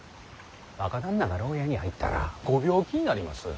若旦那が牢屋に入ったらご病気になります。